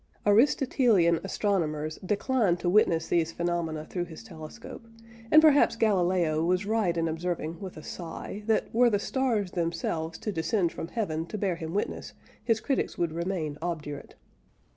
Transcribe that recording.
Aristotelian astronomers declined to witness these phenomena through his telescope, and perhaps Galileo was right in observing with a sigh that were the stars themselves to descend from heaven to bear him witness his critics would remain obdurate.